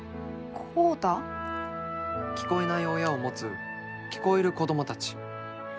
聞こえない親を持つ聞こえる子供たち。